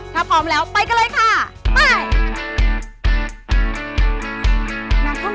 ถ้าพร้อมแล้วไปกันเลยค่ะไป